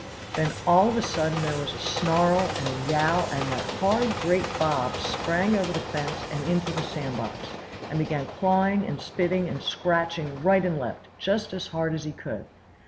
Then all of a sudden there was a snarl and a yowl, and that horrid great Bobs sprang over the fence and into the sand box, and began clawing and spitting and scratching right and left, just as hard as he could.